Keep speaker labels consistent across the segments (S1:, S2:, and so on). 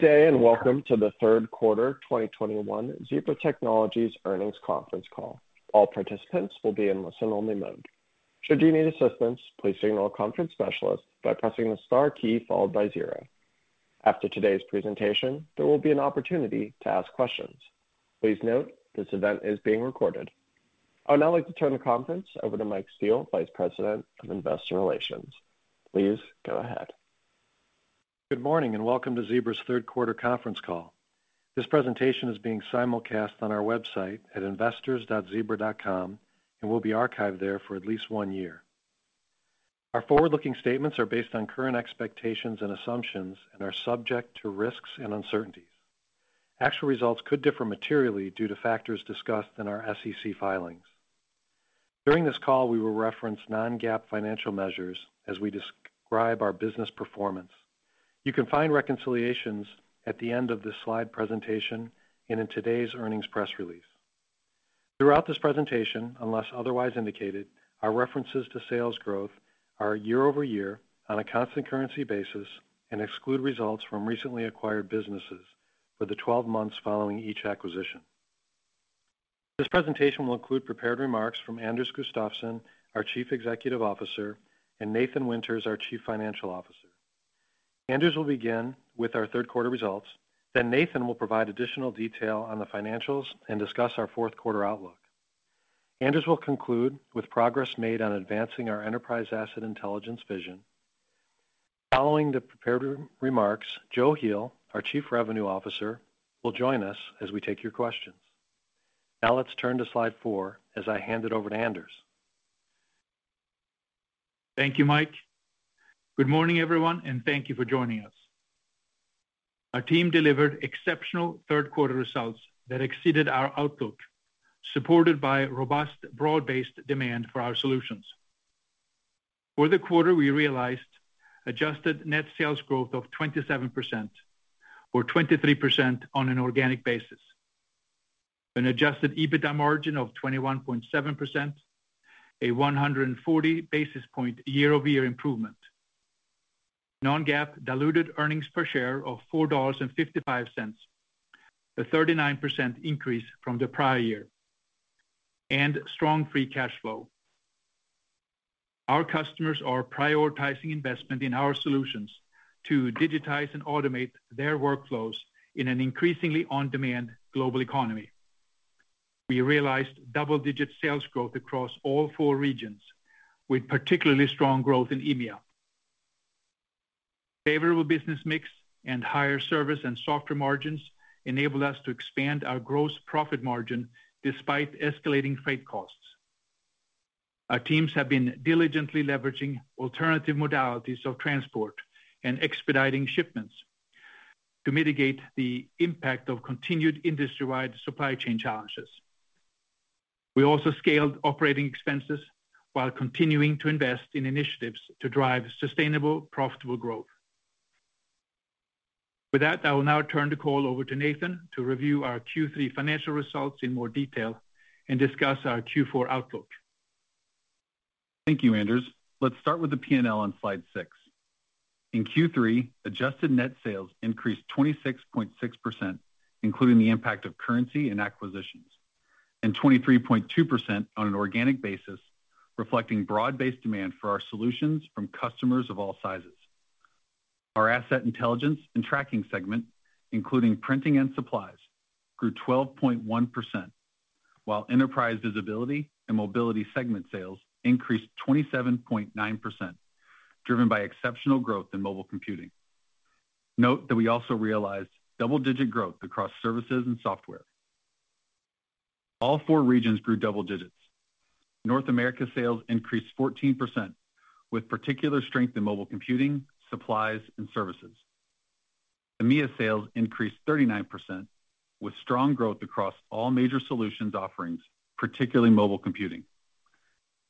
S1: Good day, and welcome to the third quarter 2021 Zebra Technologies earnings conference call. All participants will be in listen only mode. Should you need assistance, please signal a conference specialist by pressing the star key followed by zero. After today's presentation, there will be an opportunity to ask questions. Please note this event is being recorded. I would now like to turn the conference over to Mike Steele, Vice President of Investor Relations. Please go ahead.
S2: Good morning, and welcome to Zebra's third quarter conference call. This presentation is being simulcast on our website at investors.zebra.com and will be archived there for at least one year. Our forward-looking statements are based on current expectations and assumptions and are subject to risks and uncertainties. Actual results could differ materially due to factors discussed in our SEC filings. During this call, we will reference non-GAAP financial measures as we describe our business performance. You can find reconciliations at the end of this slide presentation and in today's earnings press release. Throughout this presentation, unless otherwise indicated, our references to sales growth are year-over-year on a constant currency basis and exclude results from recently acquired businesses for the twelve months following each acquisition. This presentation will include prepared remarks from Anders Gustafsson, our Chief Executive Officer, and Nathan Winters, our Chief Financial Officer. Anders will begin with our third quarter results, then Nathan will provide additional detail on the financials and discuss our fourth quarter outlook. Anders will conclude with progress made on advancing our Enterprise Asset Intelligence vision. Following the prepared remarks, Joachim Heel, our Chief Revenue Officer, will join us as we take your questions. Now let's turn to slide 4 as I hand it over to Anders.
S3: Thank you, Mike. Good morning, everyone, and thank you for joining us. Our team delivered exceptional third quarter results that exceeded our outlook, supported by robust broad-based demand for our solutions. For the quarter, we realized adjusted net sales growth of 27% or 23% on an organic basis, an adjusted EBITDA margin of 21.7%, a 140 basis point year-over-year improvement, non-GAAP diluted earnings per share of $4.55, a 39% increase from the prior year, and strong free cash flow. Our customers are prioritizing investment in our solutions to digitize and automate their workflows in an increasingly on-demand global economy. We realized double-digit sales growth across all four regions, with particularly strong growth in EMEA. Favorable business mix and higher service and software margins enabled us to expand our gross profit margin despite escalating freight costs. Our teams have been diligently leveraging alternative modalities of transport and expediting shipments to mitigate the impact of continued industry-wide supply chain challenges. We also scaled operating expenses while continuing to invest in initiatives to drive sustainable, profitable growth. With that, I will now turn the call over to Nathan to review our Q3 financial results in more detail and discuss our Q4 outlook.
S4: Thank you, Anders. Let's start with the P&L on slide 6. In Q3, adjusted net sales increased 26.6%, including the impact of currency and acquisitions, and 23.2% on an organic basis, reflecting broad-based demand for our solutions from customers of all sizes. Our Asset Intelligence and Tracking segment, including printing and supplies, grew 12.1%, while Enterprise Visibility and Mobility segment sales increased 27.9%, driven by exceptional growth in mobile computing. Note that we also realized double-digit growth across services and software. All four regions grew double digits. North America sales increased 14%, with particular strength in mobile computing, supplies, and services. EMEA sales increased 39%, with strong growth across all major solutions offerings, particularly mobile computing.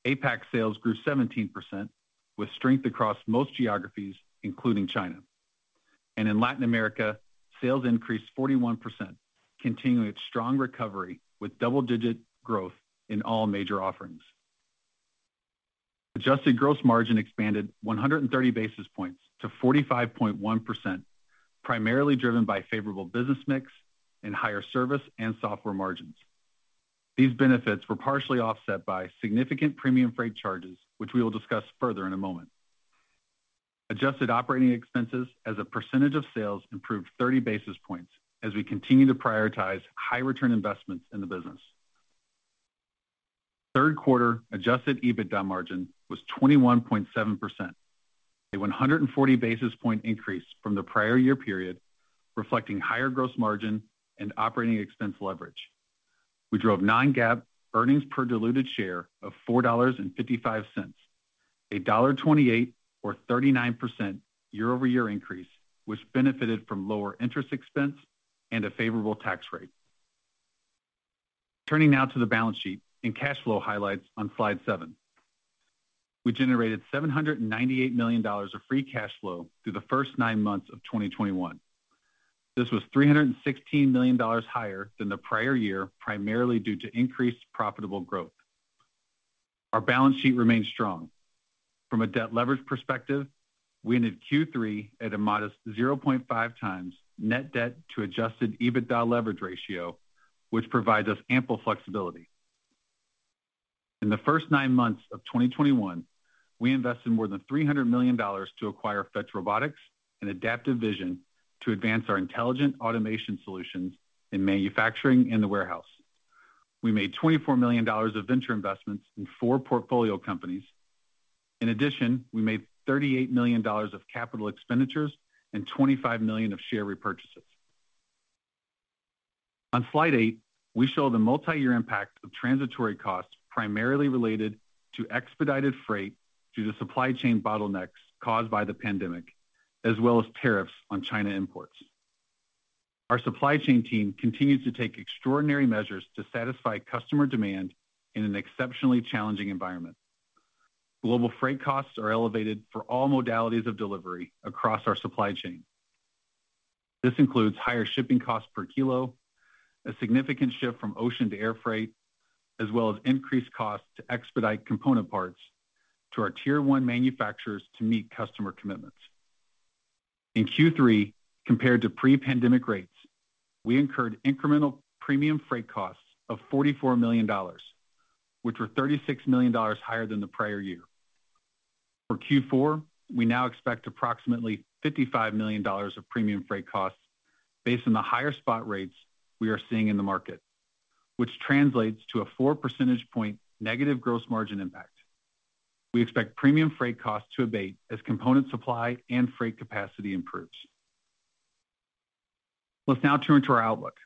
S4: APAC sales grew 17%, with strength across most geographies, including China. In Latin America, sales increased 41%, continuing its strong recovery with double-digit growth in all major offerings. Adjusted gross margin expanded 130 basis points to 45.1%, primarily driven by favorable business mix and higher service and software margins. These benefits were partially offset by significant premium freight charges, which we will discuss further in a moment. Adjusted operating expenses as a percentage of sales improved 30 basis points as we continue to prioritize high return investments in the business. Third quarter adjusted EBITDA margin was 21.7%, a 140 basis point increase from the prior year period, reflecting higher gross margin and operating expense leverage. We drove non-GAAP earnings per diluted share of $4.55, a $1.28 or 39% year-over-year increase, which benefited from lower interest expense and a favorable tax rate. Turning now to the balance sheet and cash flow highlights on slide 7. We generated $798 million of free cash flow through the first nine months of 2021. This was $316 million higher than the prior year, primarily due to increased profitable growth. Our balance sheet remains strong. From a debt leverage perspective, we ended Q3 at a modest 0.5 times net debt to adjusted EBITDA leverage ratio, which provides us ample flexibility. In the first nine months of 2021, we invested more than $300 million to acquire Fetch Robotics and Adaptive Vision to advance our intelligent automation solutions in manufacturing and the warehouse. We made $24 million of venture investments in four portfolio companies. In addition, we made $38 million of capital expenditures and $25 million of share repurchases. On slide eight, we show the multi-year impact of transitory costs primarily related to expedited freight due to supply chain bottlenecks caused by the pandemic, as well as tariffs on China imports. Our supply chain team continues to take extraordinary measures to satisfy customer demand in an exceptionally challenging environment. Global freight costs are elevated for all modalities of delivery across our supply chain. This includes higher shipping costs per kilo, a significant shift from ocean to air freight, as well as increased costs to expedite component parts to our tier one manufacturers to meet customer commitments. In Q3, compared to pre-pandemic rates, we incurred incremental premium freight costs of $44 million, which were $36 million higher than the prior year. For Q4, we now expect approximately $55 million of premium freight costs based on the higher spot rates we are seeing in the market, which translates to a 4 percentage point negative gross margin impact. We expect premium freight costs to abate as component supply and freight capacity improves. Let's now turn to our outlook.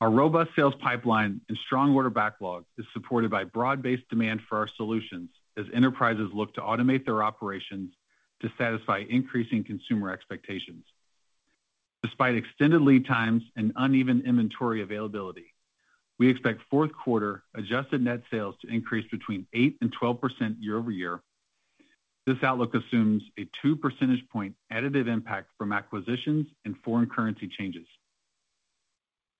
S4: Our robust sales pipeline and strong order backlog is supported by broad-based demand for our solutions as enterprises look to automate their operations to satisfy increasing consumer expectations. Despite extended lead times and uneven inventory availability, we expect fourth quarter adjusted net sales to increase between 8% and 12% year-over-year. This outlook assumes a 2 percentage point additive impact from acquisitions and foreign currency changes.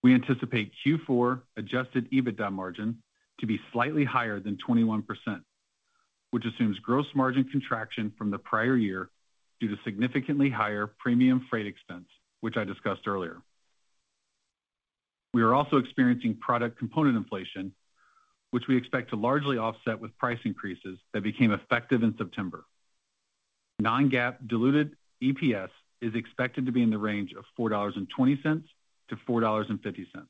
S4: We anticipate Q4 adjusted EBITDA margin to be slightly higher than 21%, which assumes gross margin contraction from the prior year due to significantly higher premium freight expense, which I discussed earlier. We are also experiencing product component inflation, which we expect to largely offset with price increases that became effective in September. Non-GAAP diluted EPS is expected to be in the range of $4.20-$4.50.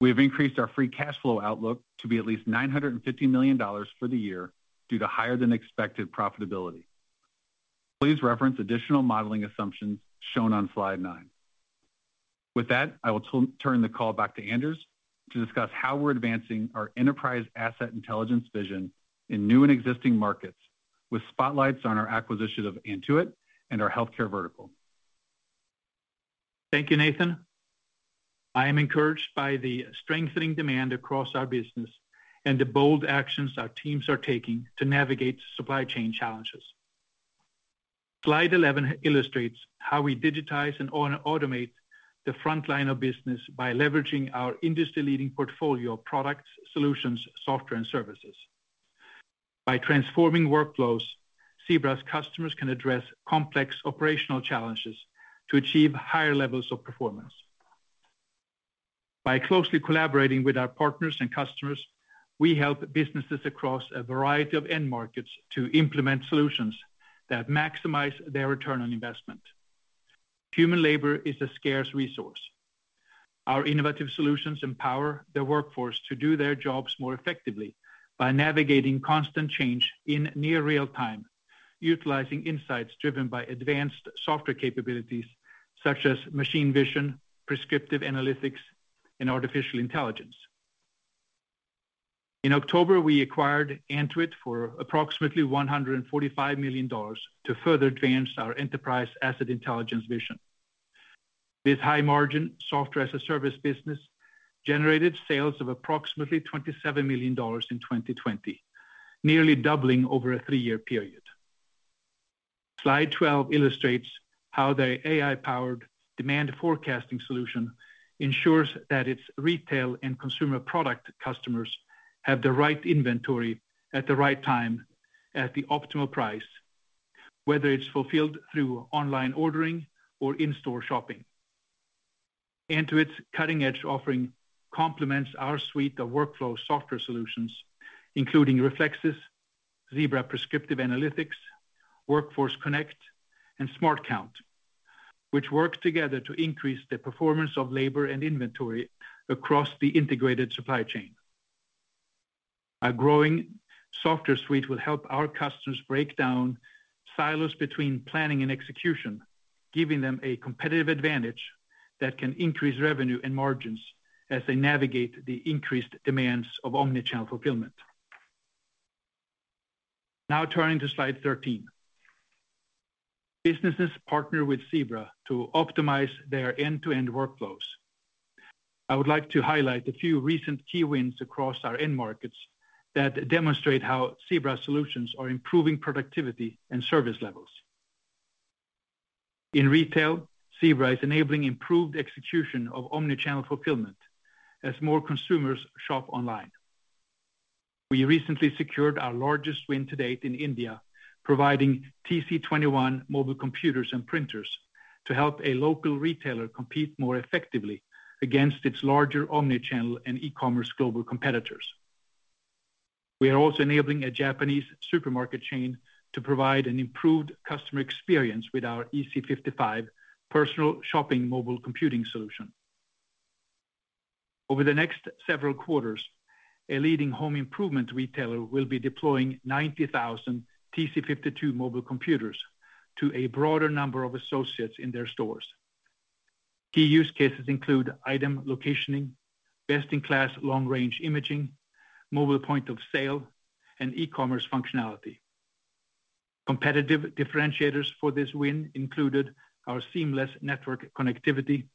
S4: We have increased our free cash flow outlook to be at least $950 million for the year due to higher than expected profitability. Please reference additional modeling assumptions shown on slide 9. With that, I will turn the call back to Anders to discuss how we're advancing our Enterprise Asset Intelligence vision in new and existing markets with spotlights on our acquisition of Antuit and our healthcare vertical.
S3: Thank you, Nathan. I am encouraged by the strengthening demand across our business and the bold actions our teams are taking to navigate supply chain challenges. Slide 11 illustrates how we digitize and auto-automate the frontline of business by leveraging our industry-leading portfolio of products, solutions, software, and services. By transforming workflows, Zebra's customers can address complex operational challenges to achieve higher levels of performance. By closely collaborating with our partners and customers, we help businesses across a variety of end markets to implement solutions that maximize their return on investment. Human labor is a scarce resource. Our innovative solutions empower the workforce to do their jobs more effectively by navigating constant change in near real time, utilizing insights driven by advanced software capabilities such as machine vision, prescriptive analytics, and artificial intelligence. In October, we acquired Antuit for approximately $145 million to further advance our Enterprise Asset Intelligence vision. This high-margin software-as-a-service business generated sales of approximately $27 million in 2020, nearly doubling over a three-year period. Slide 12 illustrates how the AI-powered demand forecasting solution ensures that its retail and consumer product customers have the right inventory at the right time at the optimal price, whether it's fulfilled through online ordering or in-store shopping. Antuit's cutting-edge offering complements our suite of workflow software solutions, including Reflexis, Zebra Prescriptive Analytics, Workforce Connect, and SmartCount, which work together to increase the performance of labor and inventory across the integrated supply chain. Our growing software suite will help our customers break down silos between planning and execution, giving them a competitive advantage that can increase revenue and margins as they navigate the increased demands of omnichannel fulfillment. Now turning to slide 13. Businesses partner with Zebra to optimize their end-to-end workflows. I would like to highlight a few recent key wins across our end markets that demonstrate how Zebra solutions are improving productivity and service levels. In retail, Zebra is enabling improved execution of omni-channel fulfillment as more consumers shop online. We recently secured our largest win to date in India, providing TC21 mobile computers and printers to help a local retailer compete more effectively against its larger omni-channel and e-commerce global competitors. We are also enabling a Japanese supermarket chain to provide an improved customer experience with our EC55 personal shopping mobile computing solution. Over the next several quarters, a leading home improvement retailer will be deploying 90,000 TC52 mobile computers to a broader number of associates in their stores. Key use cases include item locating, best-in-class long-range imaging, mobile point of sale, and e-commerce functionality. Competitive differentiators for this win included our seamless network connectivity,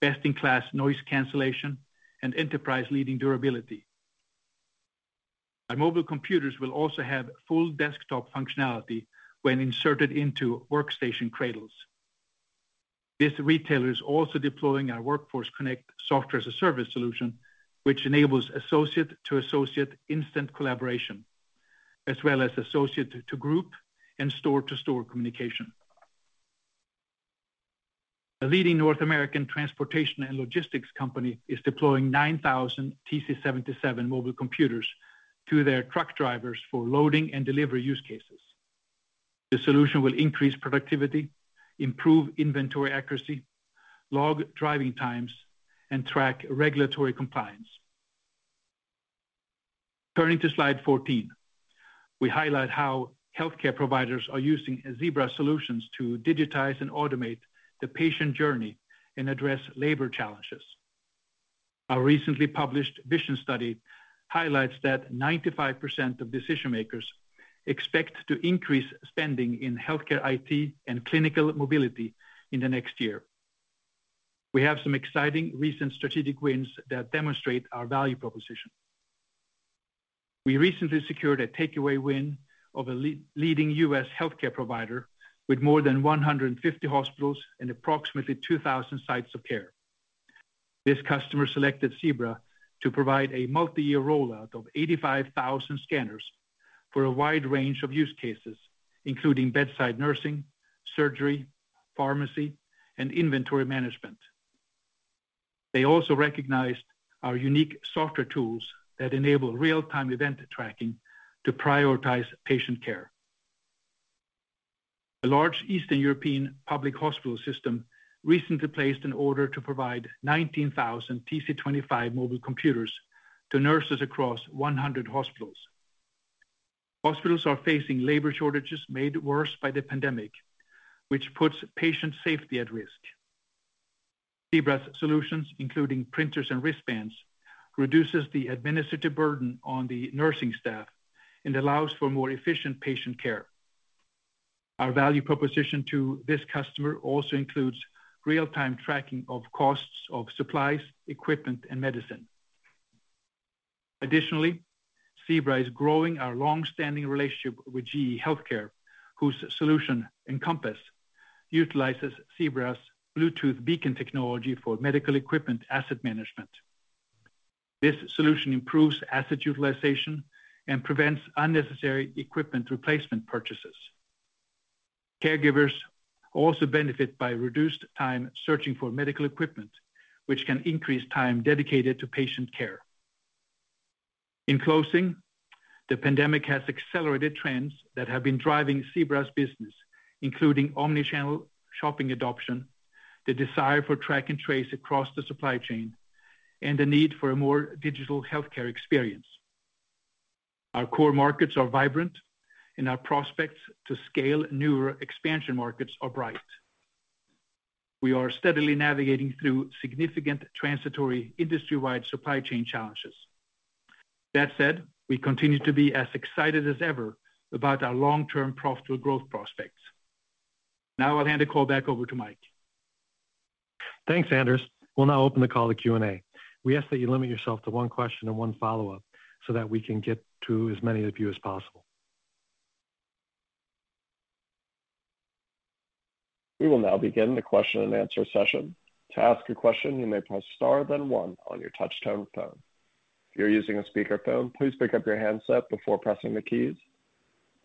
S3: best-in-class noise cancellation, and enterprise-leading durability. Our mobile computers will also have full desktop functionality when inserted into workstation cradles. This retailer is also deploying our Workforce Connect software-as-a-service solution, which enables associate-to-associate instant collaboration, as well as associate-to-group and store-to-store communication. A leading North American transportation and logistics company is deploying 9,000 TC77 mobile computers to their truck drivers for loading and delivery use cases. The solution will increase productivity, improve inventory accuracy, log driving times, and track regulatory compliance. Turning to slide 14, we highlight how healthcare providers are using Zebra solutions to digitize and automate the patient journey and address labor challenges. Our recently published vision study highlights that 95% of decision makers expect to increase spending in healthcare IT and clinical mobility in the next year. We have some exciting recent strategic wins that demonstrate our value proposition. We recently secured a takeaway win of a leading U.S. healthcare provider with more than 150 hospitals and approximately 2,000 sites of care. This customer selected Zebra to provide a multi-year rollout of 85,000 scanners for a wide range of use cases, including bedside nursing, surgery, pharmacy, and inventory management. They also recognized our unique software tools that enable real-time event tracking to prioritize patient care. A large Eastern European public hospital system recently placed an order to provide 19,000 TC25 mobile computers to nurses across 100 hospitals. Hospitals are facing labor shortages made worse by the pandemic, which puts patient safety at risk. Zebra's solutions, including printers and wristbands, reduces the administrative burden on the nursing staff and allows for more efficient patient care. Our value proposition to this customer also includes real-time tracking of costs of supplies, equipment, and medicine. Additionally, Zebra is growing our long-standing relationship with GE HealthCare, whose solution Encompass utilizes Zebra's Bluetooth beacon technology for medical equipment asset management. This solution improves asset utilization and prevents unnecessary equipment replacement purchases. Caregivers also benefit by reduced time searching for medical equipment, which can increase time dedicated to patient care. In closing, the pandemic has accelerated trends that have been driving Zebra's business, including omni-channel shopping adoption, the desire for track and trace across the supply chain, and the need for a more digital healthcare experience. Our core markets are vibrant, and our prospects to scale newer expansion markets are bright. We are steadily navigating through significant transitory industry-wide supply chain challenges. That said, we continue to be as excited as ever about our long-term profitable growth prospects. Now I'll hand the call back over to Mike.
S2: Thanks, Anders. We'll now open the call to Q&A. We ask that you limit yourself to one question and one follow-up so that we can get to as many of you as possible.
S1: We will now begin the question and answer session. To ask a question, you may press star, then one on your touch-tone phone. If you're using a speakerphone, please pick up your handset before pressing the keys.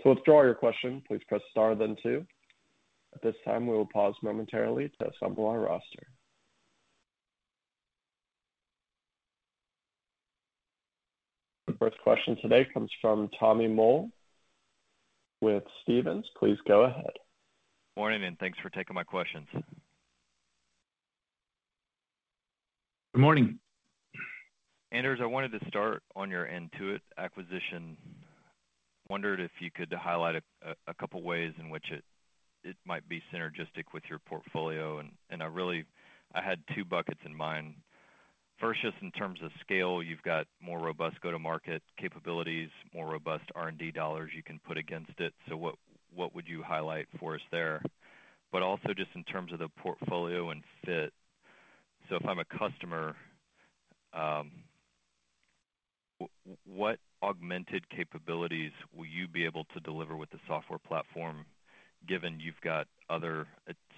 S1: To withdraw your question, please press star then two. At this time, we will pause momentarily to assemble our roster. The first question today comes from Tommy Moll with Stephens. Please go ahead.
S5: Morning, thanks for taking my questions.
S3: Good morning.
S5: Anders, I wanted to start on your Antuit acquisition. I wondered if you could highlight a couple ways in which it might be synergistic with your portfolio, and I really I had two buckets in mind. First, just in terms of scale, you've got more robust go-to-market capabilities, more robust R&D dollars you can put against it. What would you highlight for us there? Also just in terms of the portfolio and fit. If I'm a customer, what augmented capabilities will you be able to deliver with the software platform, given you've got other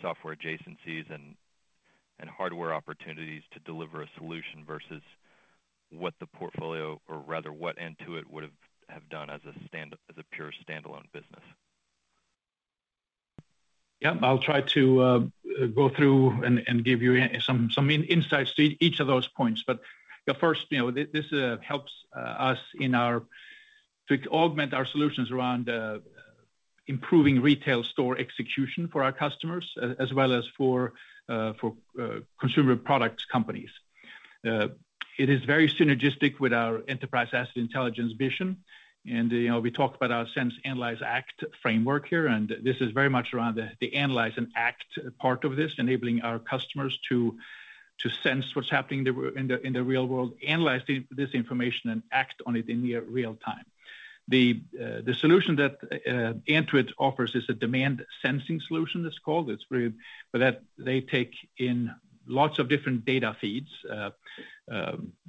S5: software adjacencies and hardware opportunities to deliver a solution versus what the portfolio, or rather what Antuit would have done as a pure standalone business?
S3: Yeah. I'll try to go through and give you some insights to each of those points. First, you know, this helps us to augment our solutions around improving retail store execution for our customers as well as for consumer products companies. It is very synergistic with our Enterprise Asset Intelligence vision. You know, we talked about our sense, analyze, act framework here, and this is very much around the analyze and act part of this, enabling our customers to sense what's happening in the real world, analyze this information and act on it in near real time. The solution that Antuit offers is a demand sensing solution, it's called. They take in lots of different data feeds,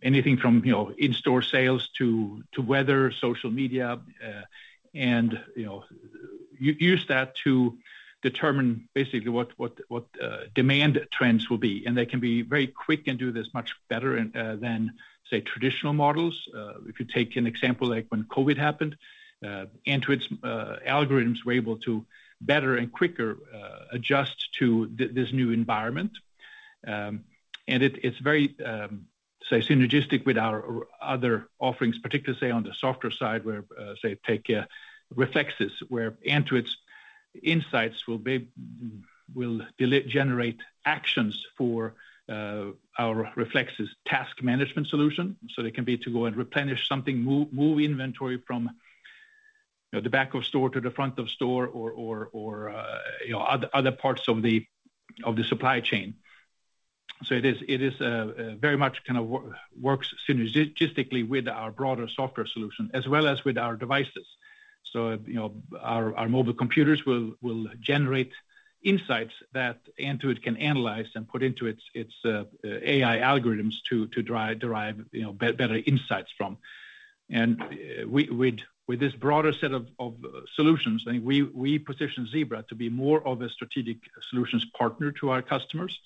S3: anything from, you know, in-store sales to weather, social media, and, you know, use that to determine basically what demand trends will be. They can be very quick and do this much better than, say, traditional models. If you take an example like when COVID happened, Antuit's algorithms were able to better and quicker adjust to this new environment. It's very synergistic with our other offerings, particularly say on the software side where, say, take Reflexis, where Antuit's insights will generate actions for our Reflexis task management solution. They can be to go and replenish something, move inventory from, you know, the back of store to the front of store or, you know, other parts of the supply chain. It is very much kind of works synergistically with our broader software solution as well as with our devices. You know, our mobile computers will generate insights that Antuit can analyze and put into its AI algorithms to derive, you know, better insights from. With this broader set of solutions, I think we position Zebra to be more of a strategic solutions partner to our customers,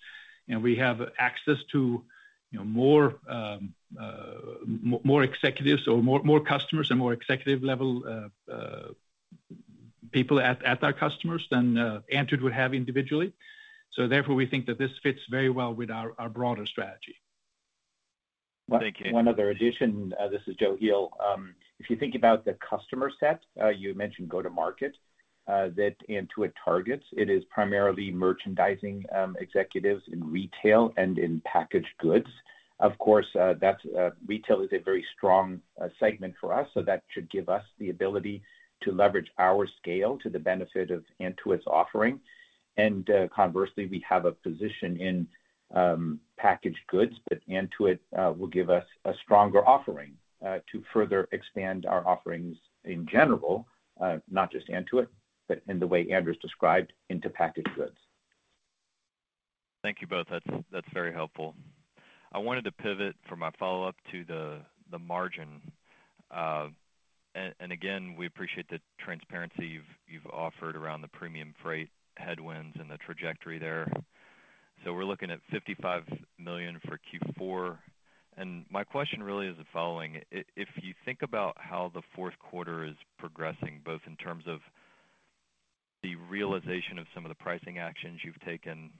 S3: and we have access to, you know, more executives or more customers and more executive level people at our customers than Antuit would have individually. Therefore, we think that this fits very well with our broader strategy.
S5: Thank you.
S6: One other addition. This is Joachim Heel. If you think about the customer set, you mentioned go-to-market that Antuit targets, it is primarily merchandising executives in retail and in packaged goods. Of course, that's retail is a very strong segment for us, so that should give us the ability to leverage our scale to the benefit of Antuit's offering. Conversely, we have a position in packaged goods, but Antuit will give us a stronger offering to further expand our offerings in general, not just Antuit, but in the way Anders described into packaged goods.
S5: Thank you both. That's very helpful. I wanted to pivot for my follow-up to the margin. We appreciate the transparency you've offered around the premium freight headwinds and the trajectory there. We're looking at $55 million for Q4. My question really is the following: If you think about how the fourth quarter is progressing, both in terms of the realization of some of the pricing actions you've taken,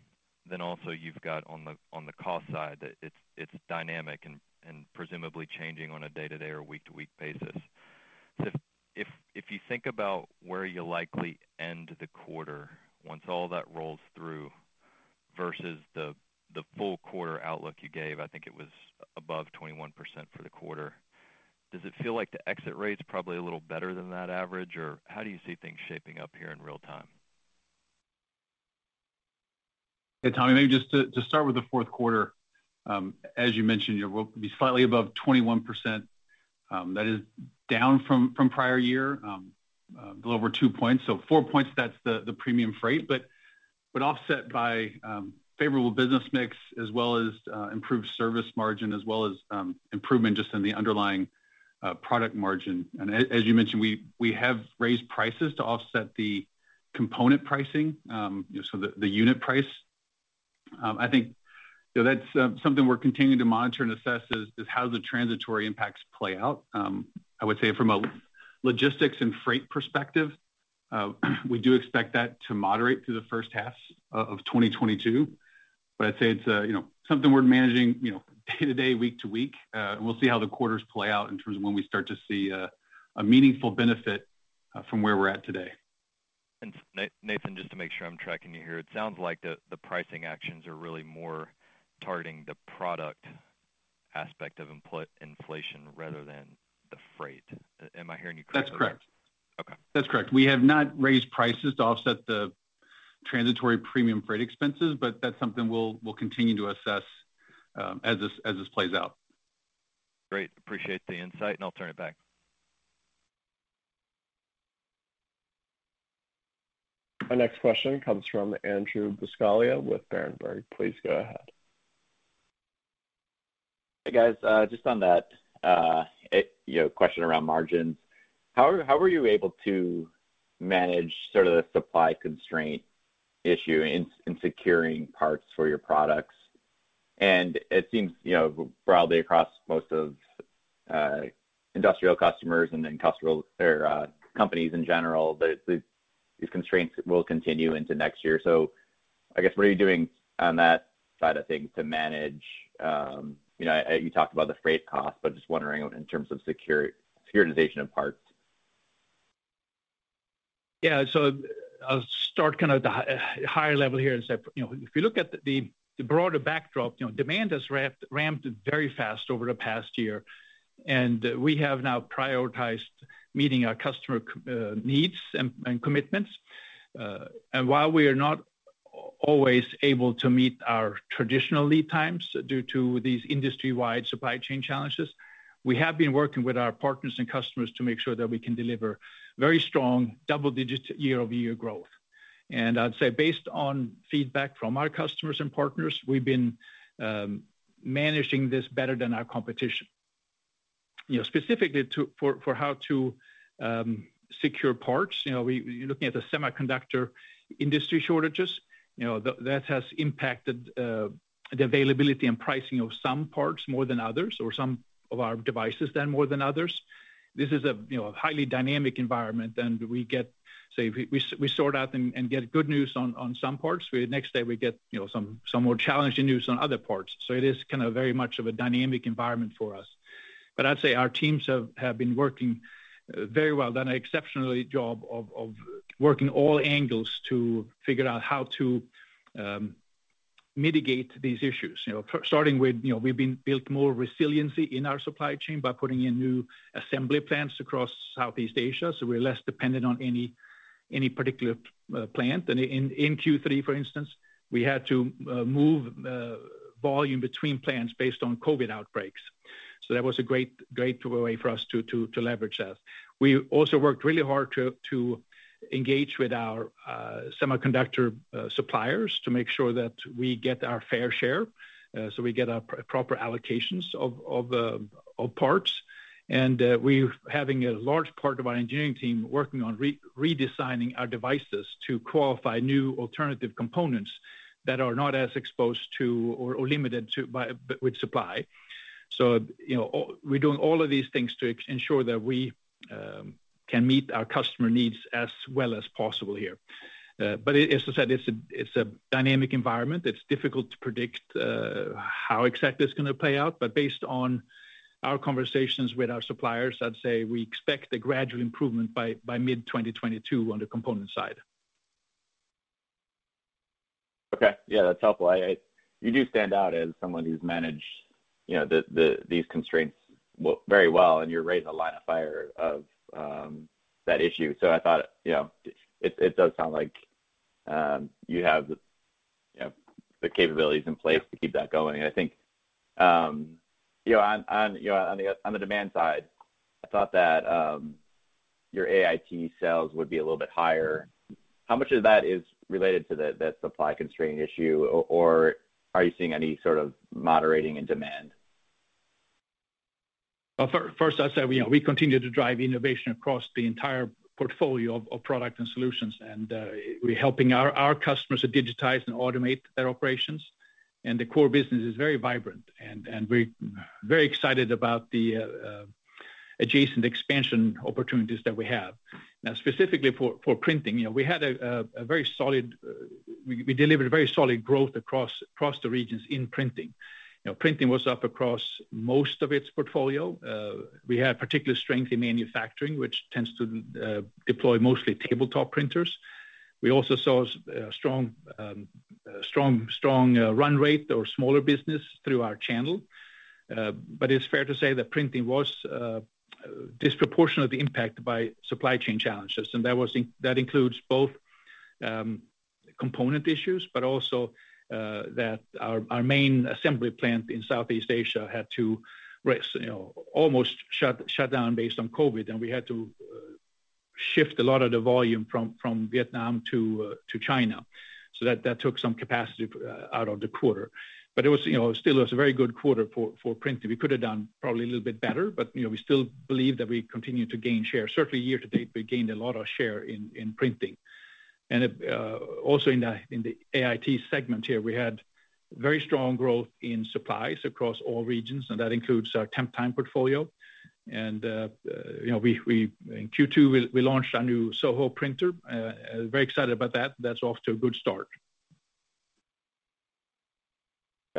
S5: then also you've got on the cost side, it's dynamic and presumably changing on a day-to-day or week-to-week basis. If you think about where you'll likely end the quarter once all that rolls through versus the full quarter outlook you gave, I think it was above 21% for the quarter. Does it feel like the exit rate's probably a little better than that average? How do you see things shaping up here in real-time?
S4: Yeah, Tommy, maybe just to start with the fourth quarter, as you mentioned, we'll be slightly above 21%, that is down from prior year, a little over 2 points. 4 points, that's the premium freight, but offset by favorable business mix as well as improved service margin, as well as improvement just in the underlying product margin. As you mentioned, we have raised prices to offset the component pricing, so the unit price. I think that's something we're continuing to monitor and assess is how the transitory impacts play out. I would say from a logistics and freight perspective, we do expect that to moderate through the first half of 2022. I'd say it's you know something we're managing you know day to day week to week and we'll see how the quarters play out in terms of when we start to see a meaningful benefit from where we're at today.
S5: Nathan, just to make sure I'm tracking you here, it sounds like the pricing actions are really more targeting the product aspect of inflation rather than the freight. Am I hearing you correctly?
S4: That's correct.
S5: Okay.
S4: That's correct. We have not raised prices to offset the transitory premium freight expenses, but that's something we'll continue to assess, as this plays out.
S5: Great. I appreciate the insight, and I'll turn it back.
S1: Our next question comes from Andrew Buscaglia with Berenberg. Please go ahead.
S7: Hey, guys. Just on that, you know, question around margins. How are you able to manage sort of the supply constraint issue in securing parts for your products? It seems, you know, broadly across most of industrial customers and then industrial or companies in general, that it's these constraints will continue into next year. I guess, what are you doing on that side of things to manage you know, you talked about the freight cost, but just wondering in terms of securitization of parts.
S3: Yeah. I'll start kind of the higher level here and say, you know, if you look at the broader backdrop, you know, demand has ramped very fast over the past year. We have now prioritized meeting our customer needs and commitments. While we are not always able to meet our traditional lead times due to these industry-wide supply chain challenges, we have been working with our partners and customers to make sure that we can deliver very strong double-digit year-over-year growth. I'd say based on feedback from our customers and partners, we've been managing this better than our competition. You know, specifically for how to secure parts. You know, we're looking at the semiconductor industry shortages, you know, that has impacted the availability and pricing of some parts more than others or some of our devices than more than others. This is, you know, a highly dynamic environment, and we get we sort out and get good news on some parts. The next day, we get, you know, some more challenging news on other parts. It is kind of very much of a dynamic environment for us. I'd say our teams have been working very well, done an exceptional job of working all angles to figure out how to mitigate these issues. You know, starting with, you know, we've built more resiliency in our supply chain by putting in new assembly plants across Southeast Asia, so we're less dependent on any particular plant. In Q3, for instance, we had to move volume between plants based on COVID outbreaks. That was a great way for us to leverage that. We also worked really hard to engage with our semiconductor suppliers to make sure that we get our fair share, so we get our proper allocations of parts. We're having a large part of our engineering team working on redesigning our devices to qualify new alternative components that are not as exposed to or limited by the supply. You know, all... We're doing all of these things to ensure that we can meet our customer needs as well as possible here. As I said, it's a dynamic environment. It's difficult to predict how exactly it's gonna play out. Based on our conversations with our suppliers, I'd say we expect a gradual improvement by mid-2022 on the component side.
S7: Okay. Yeah, that's helpful. You do stand out as someone who's managed, you know, these constraints very well, and you're in the line of fire on that issue. I thought, you know, it does sound like you have the capabilities in place to keep that going. I think, you know, on, you know, on the demand side, I thought that your AIT sales would be a little bit higher. How much of that is related to the supply constraint issue or are you seeing any sort of moderating in demand?
S3: Well, first, I'd say, you know, we continue to drive innovation across the entire portfolio of product and solutions. We're helping our customers to digitize and automate their operations. The core business is very vibrant, and we're very excited about the adjacent expansion opportunities that we have. Now, specifically for printing, you know, we delivered very solid growth across the regions in printing. You know, printing was up across most of its portfolio. We had particular strength in manufacturing, which tends to deploy mostly tabletop printers. We also saw a strong run rate in smaller business through our channel. It's fair to say that printing was disproportionately impacted by supply chain challenges, and that includes both component issues, but also that our main assembly plant in Southeast Asia had to almost shut down based on COVID, and we had to shift a lot of the volume from Vietnam to China. That took some capacity out of the quarter. It was, you know, still a very good quarter for printing. We could have done probably a little bit better, but, you know, we still believe that we continue to gain share. Certainly year to date, we gained a lot of share in printing. also in the AIT segment here, we had very strong growth in supplies across all regions, and that includes our Temptime portfolio. You know, in Q2, we launched our new ZSB Series. Very excited about that. That's off to a good start.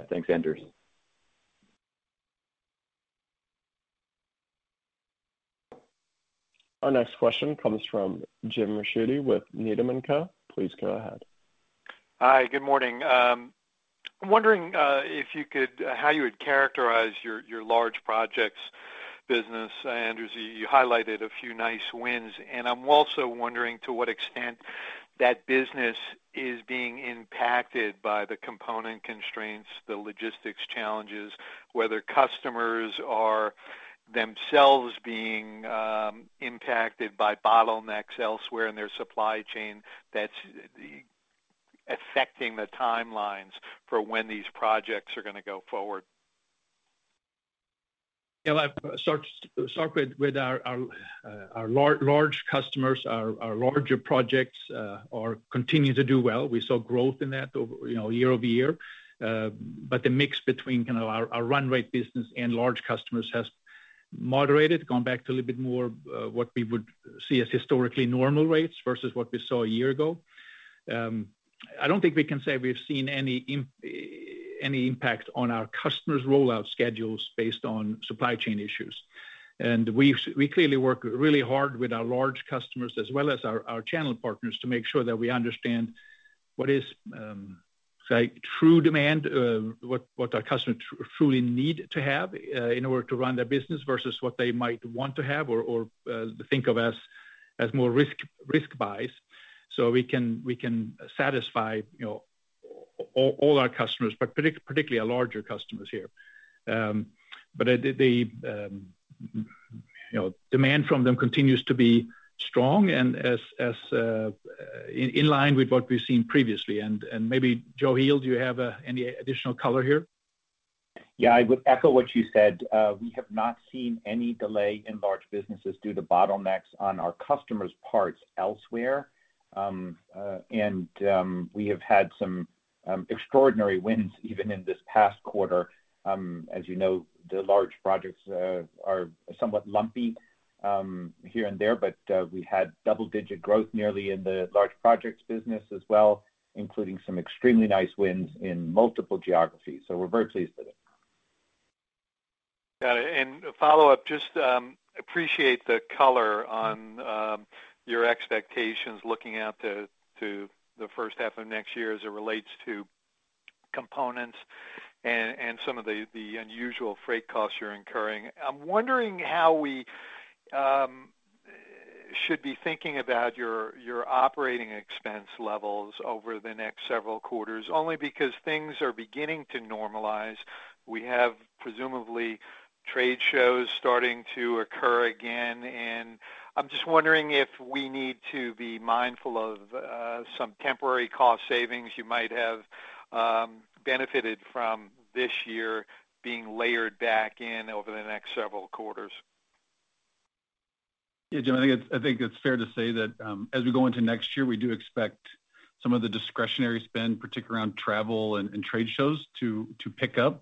S7: Thanks, Anders.
S1: Our next question comes from James Ricchiuti with Needham & Co. Please go ahead.
S8: Hi. Good morning. I'm wondering if you could how you would characterize your large projects business. Anders, you highlighted a few nice wins, and I'm also wondering to what extent that business is being impacted by the component constraints, the logistics challenges, whether customers are themselves being impacted by bottlenecks elsewhere in their supply chain that's affecting the timelines for when these projects are gonna go forward.
S3: I'll start with our large customers. Our larger projects are continuing to do well. We saw growth in that over, you know, year-over-year. The mix between kind of our run rate business and large customers has moderated, gone back to a little bit more what we would see as historically normal rates versus what we saw a year ago. I don't think we can say we've seen any impact on our customers' rollout schedules based on supply chain issues. We clearly work really hard with our large customers as well as our channel partners to make sure that we understand what is, say, true demand, what our customers truly need to have in order to run their business versus what they might want to have or think of as more risk buys. We can satisfy, you know, all our customers, but particularly our larger customers here. But they, you know, demand from them continues to be strong and as in line with what we've seen previously. Maybe Joachim Heel, do you have any additional color here?
S6: Yeah. I would echo what you said. We have not seen any delay in large businesses due to bottlenecks on our customers' parts elsewhere. We have had some extraordinary wins even in this past quarter. As you know, the large projects are somewhat lumpy here and there, but we had double digit growth nearly in the large projects business as well, including some extremely nice wins in multiple geographies. We're very pleased with it.
S8: Got it. A follow-up, just appreciate the color on your expectations looking out to the first half of next year as it relates to components and some of the unusual freight costs you're incurring. I'm wondering how we should be thinking about your operating expense levels over the next several quarters, only because things are beginning to normalize. We have presumably trade shows starting to occur again, and I'm just wondering if we need to be mindful of some temporary cost savings you might have benefited from this year being layered back in over the next several quarters.
S4: Yeah, Jim, I think it's fair to say that as we go into next year, we do expect some of the discretionary spend, particularly around travel and trade shows to pick up.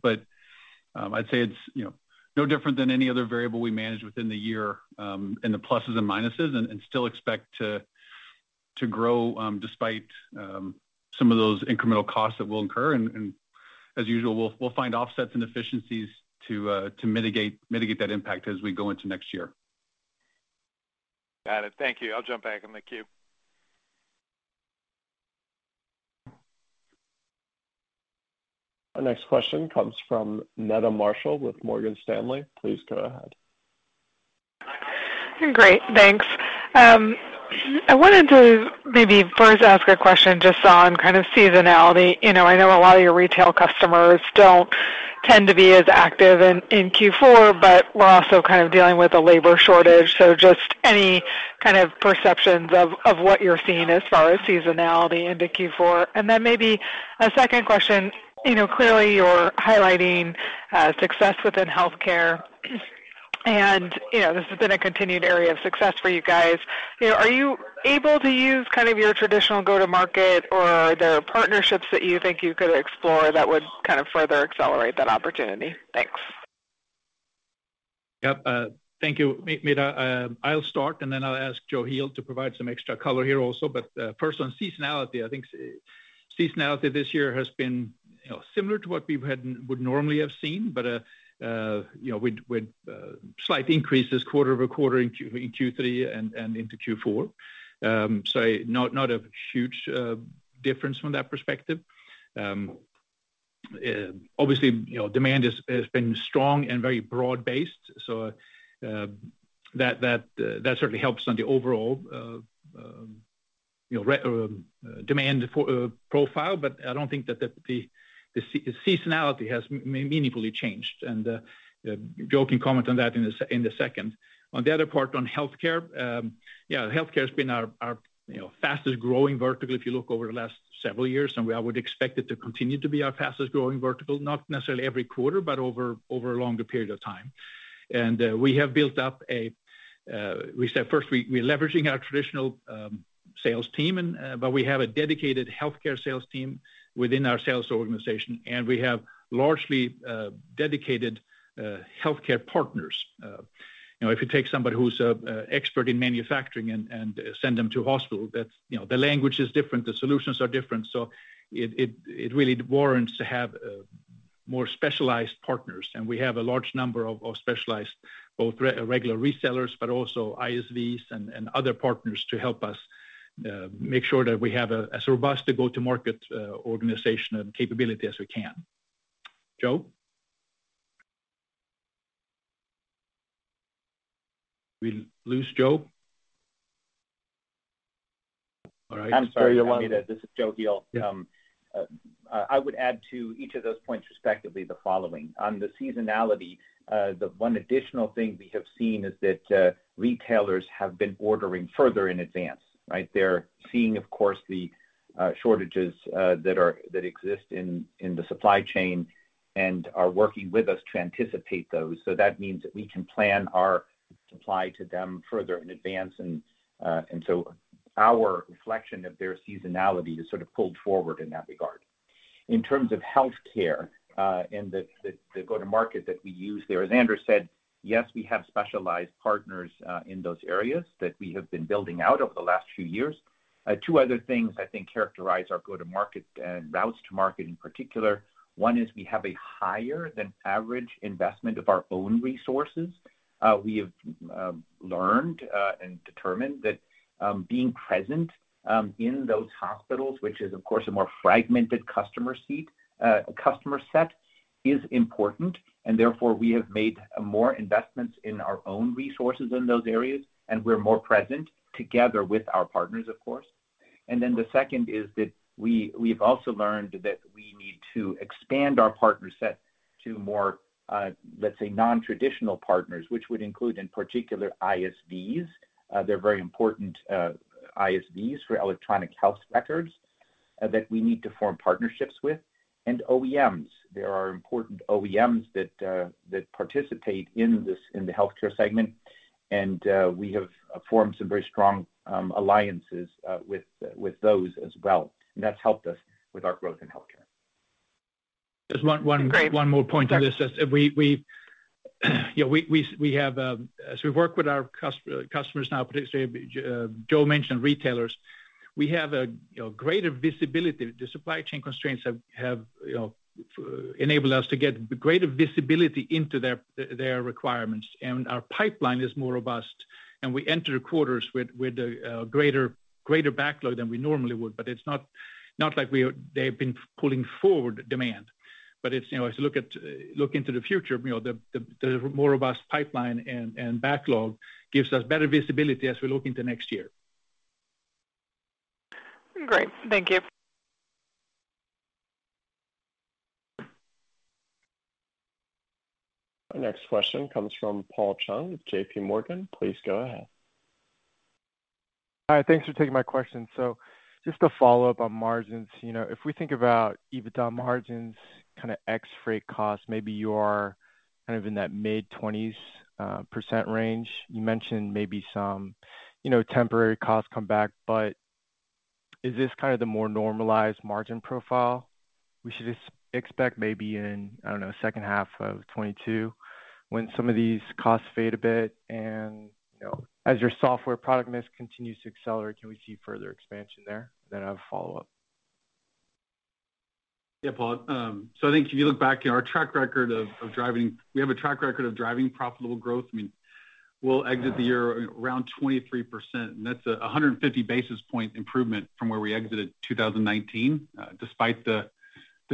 S4: I'd say it's, you know, no different than any other variable we manage within the year, and the pluses and minuses, and we still expect to grow, despite some of those incremental costs that we'll incur. As usual, we'll find offsets and efficiencies to mitigate that impact as we go into next year.
S8: Got it. Thank you. I'll jump back in the queue.
S1: Our next question comes from Meta Marshall with Morgan Stanley. Please go ahead.
S9: Great. Thanks. I wanted to maybe first ask a question just on kind of seasonality. You know, I know a lot of your retail customers don't tend to be as active in Q4, but we're also kind of dealing with a labor shortage. So just any kind of perceptions of what you're seeing as far as seasonality into Q4. And then maybe a second question. You know, clearly you're highlighting success within healthcare, and you know, this has been a continued area of success for you guys. You know, are you able to use kind of your traditional go-to-market, or are there partnerships that you think you could explore that would kind of further accelerate that opportunity? Thanks.
S3: Yep. Thank you, Meta. I'll start, and then I'll ask Joachim Heel to provide some extra color here also. First on seasonality, I think seasonality this year has been, you know, similar to what we would normally have seen. You know, with slight increases quarter-over-quarter in Q3 and into Q4. So not a huge difference from that perspective. Obviously, you know, demand has been strong and very broad-based, so that certainly helps on the overall, you know, demand profile. I don't think that the seasonality has meaningfully changed. Joe can comment on that in a second. On the other part on healthcare, yeah, healthcare's been our you know fastest-growing vertical if you look over the last several years, and I would expect it to continue to be our fastest-growing vertical, not necessarily every quarter, but over a longer period of time. We have built up a, we're leveraging our traditional sales team, but we have a dedicated healthcare sales team within our sales organization, and we have largely dedicated healthcare partners. You know, if you take somebody who's a expert in manufacturing and send them to a hospital, that's you know the language is different, the solutions are different. It really warrants to have more specialized partners. We have a large number of specialized both regular resellers, but also ISVs and other partners to help us make sure that we have as robust a go-to-market organization and capability as we can. Joe? We lose Joe? All right.
S6: I'm sorry, everyone. This is Joachim Heel.
S3: Yeah.
S6: I would add to each of those points respectively the following. On the seasonality, the one additional thing we have seen is that retailers have been ordering further in advance, right? They're seeing, of course, the shortages that exist in the supply chain and are working with us to anticipate those. That means that we can plan our supply to them further in advance and so our reflection of their seasonality is sort of pulled forward in that regard. In terms of healthcare and the go-to-market that we use there, as Anders said, yes, we have specialized partners in those areas that we have been building out over the last few years. Two other things I think characterize our go-to-market and routes to market in particular. One is we have a higher than average investment of our own resources. We have learned and determined that being present in those hospitals, which is of course a more fragmented customer set, is important, and therefore, we have made more investments in our own resources in those areas, and we're more present together with our partners, of course. The second is that we've also learned that we need to expand our partner set to more, let's say, non-traditional partners, which would include in particular ISVs. They're very important, ISVs for electronic health records, that we need to form partnerships with and OEMs. There are important OEMs that participate in the healthcare segment, and we have formed some very strong alliances with those as well. That's helped us with our growth in healthcare.
S3: Just one.
S6: Great.
S3: One more point on this. As we work with our customers now, particularly, Joe mentioned retailers, we have, you know, greater visibility. The supply chain constraints have enabled us to get greater visibility into their requirements. Our pipeline is more robust, and we enter quarters with a greater backlog than we normally would. It's not like they've been pulling forward demand. It's, you know, as you look into the future, you know, the more robust pipeline and backlog gives us better visibility as we look into next year.
S6: Great. Thank you.
S1: Our next question comes from Paul Chung with JPMorgan. Please go ahead.
S10: Hi. Thanks for taking my question. Just a follow-up on margins. You know, if we think about EBITDA margins, kind of ex freight costs, maybe you're kind of in that mid-20s% range. You mentioned maybe some, you know, temporary costs come back, but is this kind of the more normalized margin profile we should expect maybe in, I don't know, second half of 2022 when some of these costs fade a bit and, you know, as your software product mix continues to accelerate, can we see further expansion there? I have a follow-up.
S3: Yeah, Paul. So I think if you look back at our track record of driving profitable growth. We have a track record of driving profitable growth. I mean, we'll exit the year around 23%, and that's 150 basis point improvement from where we exited 2019, despite the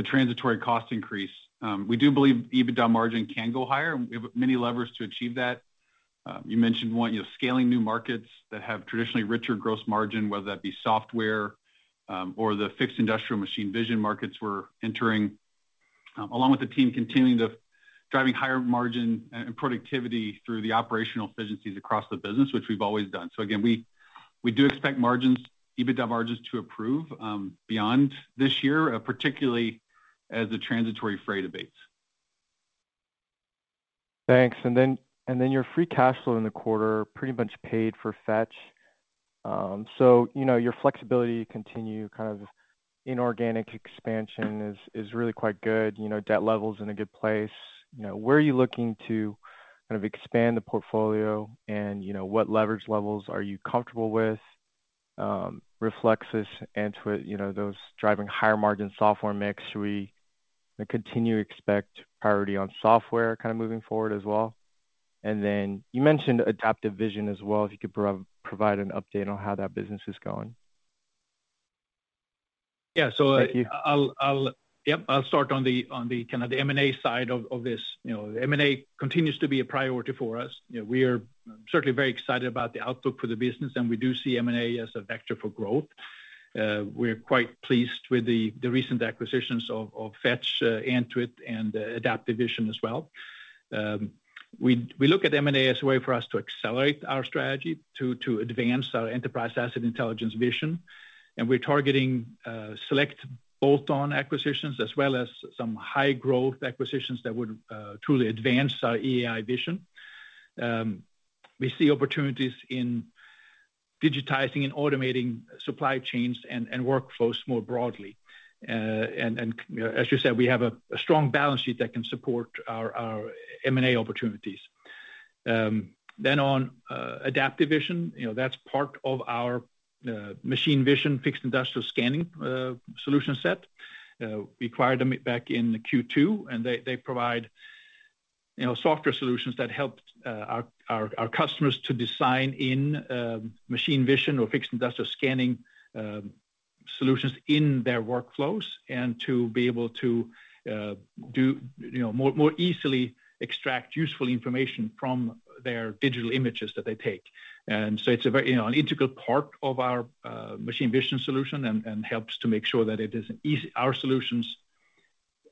S3: transitory cost increase. We do believe EBITDA margin can go higher, and we have many levers to achieve that. You mentioned one, you know, scaling new markets that have traditionally richer gross margin, whether that be software or the fixed industrial machine vision markets we're entering. Along with the team continuing to driving higher margin and productivity through the operational efficiencies across the business, which we've always done. Again, we do expect margins, EBITDA margins to improve beyond this year, particularly as the transitory freight abates.
S10: Thanks. Your free cash flow in the quarter pretty much paid for Fetch. You know, your flexibility to continue kind of inorganic expansion is really quite good. You know, debt level's in a good place. You know, where are you looking to kind of expand the portfolio and, you know, what leverage levels are you comfortable with, Antuit, you know, those driving higher margin software mix? Should we continue to expect priority on software kind of moving forward as well? You mentioned Adaptive Vision as well, if you could provide an update on how that business is going.
S3: Yeah.
S10: Thank you.
S3: I'll start on the M&A side of this. You know, M&A continues to be a priority for us. You know, we are certainly very excited about the outlook for the business, and we do see M&A as a vector for growth. We're quite pleased with the recent acquisitions of Fetch, Antuit, and Adaptive Vision as well. We look at M&A as a way for us to accelerate our strategy to advance our Enterprise Asset Intelligence vision. We're targeting select bolt-on acquisitions, as well as some high growth acquisitions that would truly advance our EAI vision. We see opportunities in digitizing and automating supply chains and workflows more broadly. As you said, we have a strong balance sheet that can support our M&A opportunities. On Adaptive Vision, you know, that's part of our machine vision, fixed industrial scanning solution set. We acquired them back in Q2, and they provide, you know, software solutions that help our customers to design in machine vision or fixed industrial scanning solutions in their workflows and to be able to do, you know, more easily extract useful information from their digital images that they take. It's a very, you know, an integral part of our machine vision solution and helps to make sure that our solutions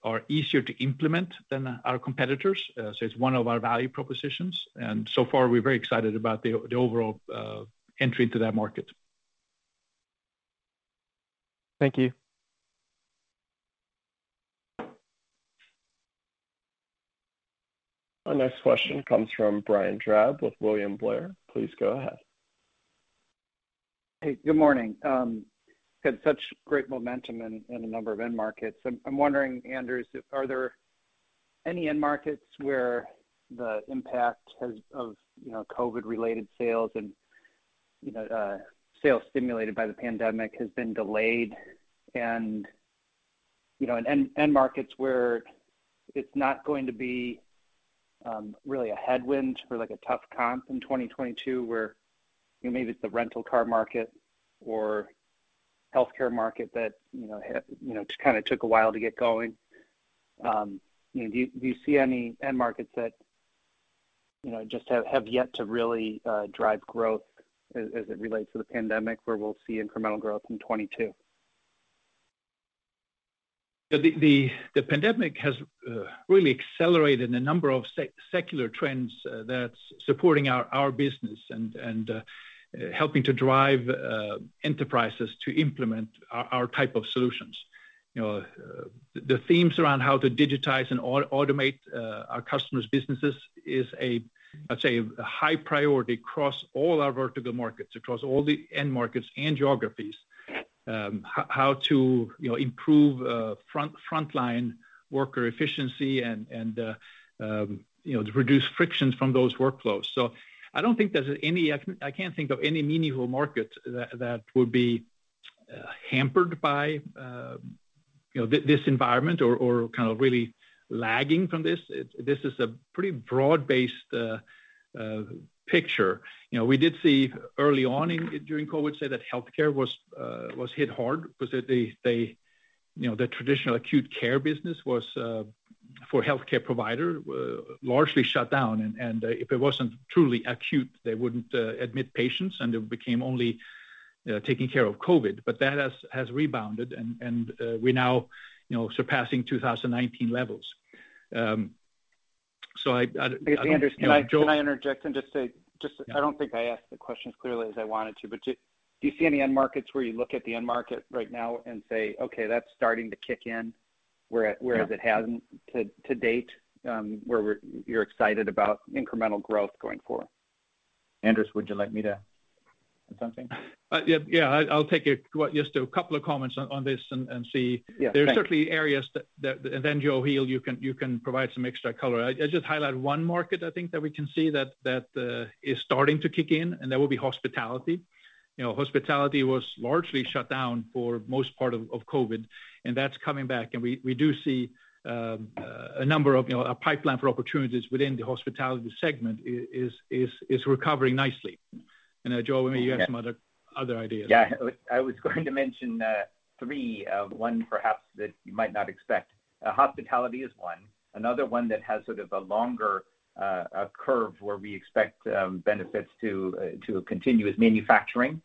S3: are easier to implement than our competitors. So it's one of our value propositions. We're very excited about the overall entry into that market.
S10: Thank you.
S1: Our next question comes from Brian Drab with William Blair. Please go ahead.
S11: Hey, good morning. You had such great momentum in a number of end markets. I'm wondering, Anders, are there any end markets where the impact of COVID-related sales and sales stimulated by the pandemic has been delayed? You know, end markets where it's not going to be really a headwind for like a tough comp in 2022, where you know, maybe it's the rental car market or healthcare market that you know, kind of took a while to get going. You know, do you see any end markets that just have yet to really drive growth as it relates to the pandemic, where we'll see incremental growth in 2022?
S3: The pandemic has really accelerated a number of secular trends that's supporting our business and helping to drive enterprises to implement our type of solutions. You know, the themes around how to digitize and automate our customers' businesses is, let's say, a high priority across all our vertical markets, across all the end markets and geographies, how to, you know, improve frontline worker efficiency and, you know, to reduce frictions from those workflows. I don't think there's any. I can't think of any meaningful market that would be hampered by, you know, this environment or kind of really lagging from this. This is a pretty broad-based picture. You know, we did see early on during COVID that healthcare was hit hard because they, you know, the traditional acute care business was for healthcare provider largely shut down. If it wasn't truly acute, they wouldn't admit patients, and they became only taking care of COVID. That has rebounded and we're now, you know, surpassing 2019 levels. So I, you know, Joe
S11: Anders, can I interject and just say, I don't think I asked the question as clearly as I wanted to, but do you see any end markets where you look at the end market right now and say, "Okay, that's starting to kick in where it hasn't to date, where you're excited about incremental growth going forward?
S6: Anders, would you like me to add something?
S3: Yeah. Yeah, I'll take it. Just a couple of comments on this and see.
S11: Yeah, thanks.
S3: There are certainly areas that. Then Joachim Heel, you can provide some extra color. I just highlight one market, I think that we can see that is starting to kick in, and that would be hospitality. You know, hospitality was largely shut down for most part of COVID, and that's coming back. We do see a number of, you know, a pipeline for opportunities within the hospitality segment is recovering nicely. I know, Joe, maybe you have some other ideas.
S6: Yeah. I was going to mention three, one perhaps that you might not expect. Hospitality is one. Another one that has sort of a longer curve where we expect benefits to continue is manufacturing,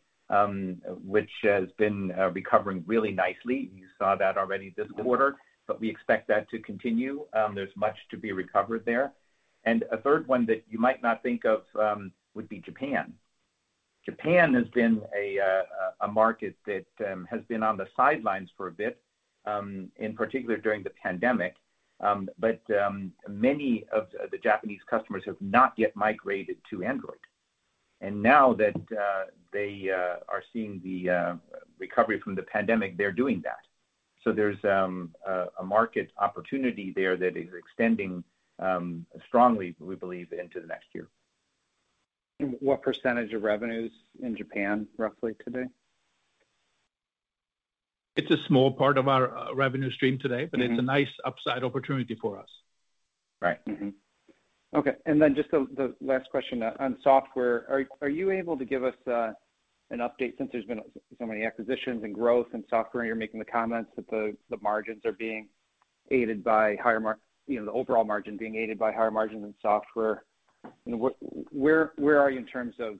S6: which has been recovering really nicely. You saw that already this quarter, but we expect that to continue. There's much to be recovered there. A third one that you might not think of would be Japan. Japan has been a market that has been on the sidelines for a bit, in particular during the pandemic. Many of the Japanese customers have not yet migrated to Android. Now that they are seeing the recovery from the pandemic, they're doing that. There's a market opportunity there that is extending strongly, we believe, into the next year.
S11: What percentage of revenue is in Japan roughly today?
S3: It's a small part of our revenue stream today.
S11: Mm-hmm.
S3: It's a nice upside opportunity for us.
S11: Just the last question on software. Are you able to give us an update since there's been so many acquisitions and growth in software? You're making the comments that the margins are being aided by higher you know, the overall margin being aided by higher margins in software. Where are you in terms of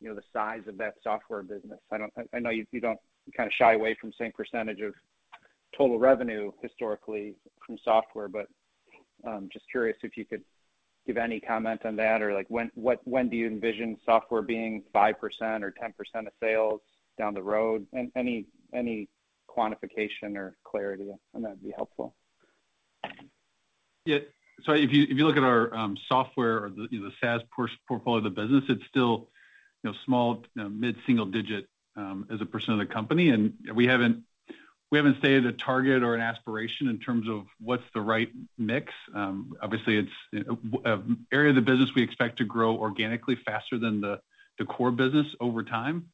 S11: you know, the size of that software business? I know you don't you kind of shy away from saying percentage of total revenue historically from software, but I'm just curious if you could give any comment on that or like when do you envision software being 5% or 10% of sales down the road? Any quantification or clarity on that would be helpful.
S3: Yeah. If you look at our software or the SaaS portfolio of the business, it's still small, mid-single digit, as a percent of the company. We haven't stated a target or an aspiration in terms of what's the right mix. Obviously, it's an area of the business we expect to grow organically faster than the core business over time.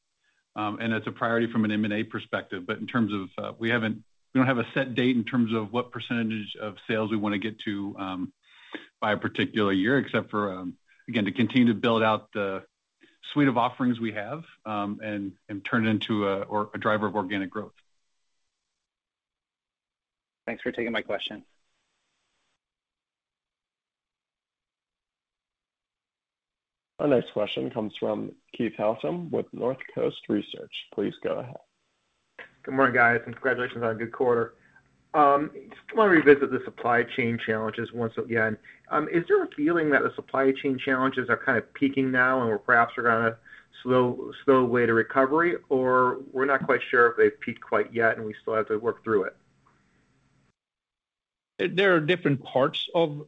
S3: It's a priority from an M&A perspective. In terms of, we don't have a set date in terms of what percentage of sales we want to get to, by a particular year, except for, again, to continue to build out the suite of offerings we have, and turn it into a driver of organic growth. Thanks for taking my question.
S1: Our next question comes from Keith Housum with Northcoast Research. Please go ahead.
S12: Good morning, guys, and congratulations on a good quarter. Just want to revisit the supply chain challenges once again. Is there a feeling that the supply chain challenges are kind of peaking now and we're perhaps on a slow way to recovery? Or we're not quite sure if they've peaked quite yet, and we still have to work through it?
S3: There are different parts of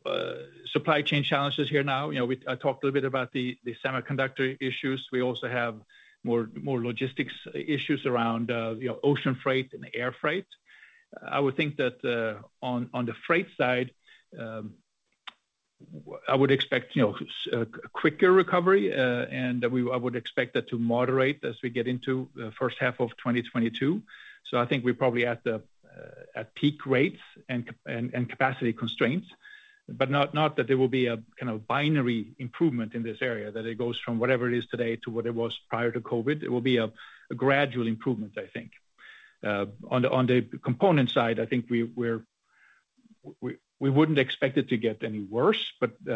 S3: supply chain challenges here now. You know, I talked a little bit about the semiconductor issues. We also have more logistics issues around, you know, ocean freight and air freight. I would think that on the freight side, I would expect, you know, a quicker recovery, and I would expect that to moderate as we get into first half of 2022. I think we're probably at peak rates and capacity constraints, but not that there will be a kind of binary improvement in this area, that it goes from whatever it is today to what it was prior to COVID. It will be a gradual improvement, I think. On the component side, I think we wouldn't expect it to get any worse, but you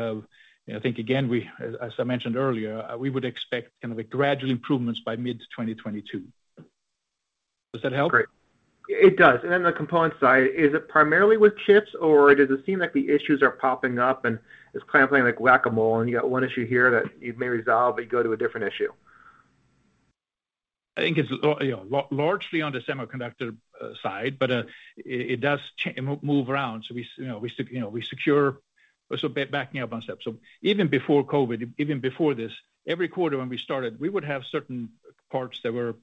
S3: know, I think again, as I mentioned earlier, we would expect kind of like gradual improvements by mid 2022. Does that help?
S12: Great. It does. The component side, is it primarily with chips, or does it seem like the issues are popping up and it's kind of playing like whack-a-mole, and you got one issue here that you may resolve, but you go to a different issue?
S3: I think it's you know, largely on the semiconductor side, but it does move around. We you know, secure. Backing up one step. Even before COVID, even before this, every quarter when we started, we would have certain parts that were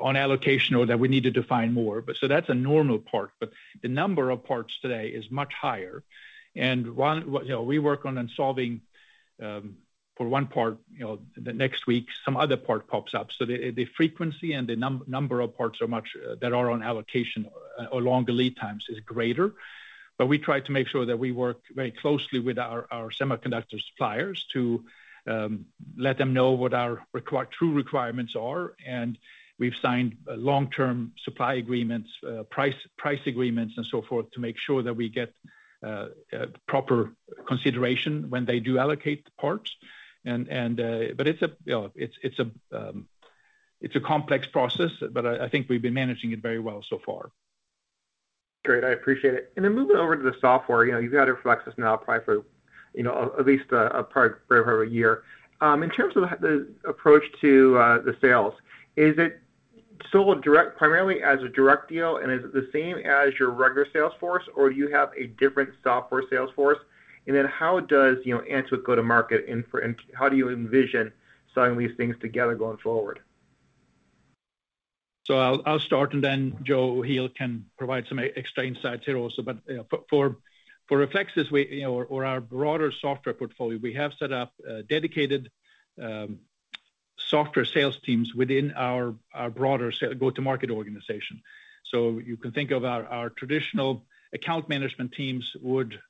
S3: on allocation or that we needed to find more. That's a normal part. The number of parts today is much higher. You know, we work on and solving for one part, the next week, some other part pops up. The frequency and the number of parts that are on allocation or longer lead times is greater. We try to make sure that we work very closely with our semiconductor suppliers to let them know what our true requirements are. We've signed long-term supply agreements, price agreements, and so forth to make sure that we get proper consideration when they do allocate the parts. It's a complex process, but I think we've been managing it very well so far.
S12: Great. I appreciate it. Moving over to the software, you know, you've had Reflexis now probably for, you know, at least, probably for over a year. In terms of the approach to, the sales, is it sold direct primarily as a direct deal, and is it the same as your regular sales force, or do you have a different software sales force? How does, you know, Antuit.ai go to market, and how do you envision selling these things together going forward?
S3: I'll start, and then Joe Heel can provide some extra insights here also. For Reflexis, you know, or our broader software portfolio, we have set up dedicated software sales teams within our broader sales go-to-market organization. You can think of our traditional account management teams would